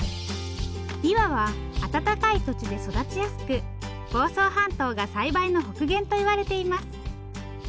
びわは暖かい土地で育ちやすく房総半島が栽培の北限といわれています。